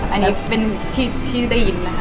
อันนี้เป็นที่ได้ยินนะคะ